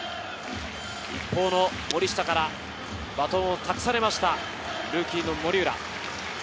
一方の森下からバトンを託されました、ルーキーの森浦。